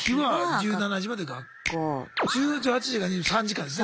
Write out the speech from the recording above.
１８時から３時間ですね